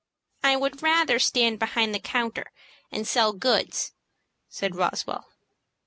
"I would rather stand behind the counter and sell goods," said Roswell.